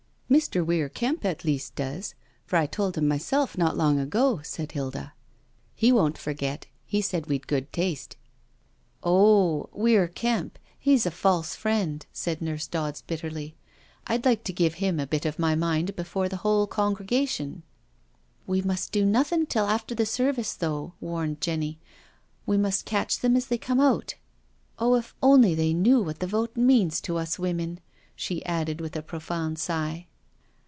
•• Mr. Weii; Kemp at least does, for I told him myself not long ago,*' said Hilda. •* He won*t forget— he said we'd good taste." •• Oh, Weir Kemp, he^s a false friend, said Nurse Dodds bitterly; '• Td like to give him a bit of my mind before the whole congregation. *• We must do nothing till after the service though,'* warned Jenny —we must catch them as they come out. Oh, if only they knew what the vote means to us women I she added, with a profound sigh.